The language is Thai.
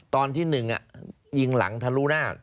ตอนที่๑ยิงหลังทะลุหน้า